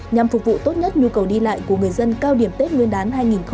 nhằm phục vụ tốt nhất nhu cầu đi lại của người dân cao điểm tết nguyên đán hai nghìn hai mươi